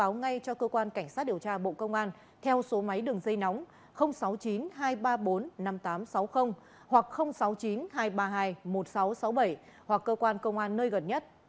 báo ngay cho cơ quan cảnh sát điều tra bộ công an theo số máy đường dây nóng sáu mươi chín hai trăm ba mươi bốn năm nghìn tám trăm sáu mươi hoặc sáu mươi chín hai trăm ba mươi hai một nghìn sáu trăm sáu mươi bảy hoặc cơ quan công an nơi gần nhất